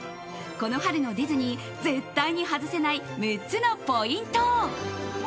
この春のディズニー絶対に外せない６つのポイント。